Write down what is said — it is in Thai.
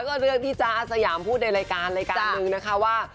ก็เรื่องที่จ๊ะอาสยามพูดในรายการรายการหนึ่งนะคะว่า